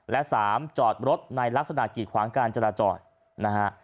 และ๓จอดรถในลักษณะกีดขวางการจราจรนะฮะ